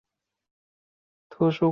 黄锡麟出任第一任会长。